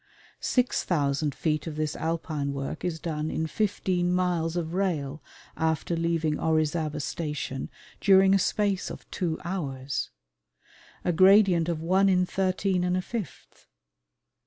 Six thousand feet of this alpine work is done in fifteen miles of rail after leaving Orizaba Station during a space of two hours! A gradient of one in thirteen and a fifth!